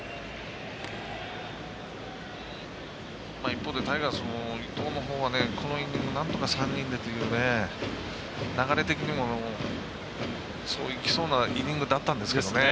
一方でタイガースも伊藤のほうはこのイニングなんとか３人でという流れ的にも、そういきそうなイニングだったんですけどね。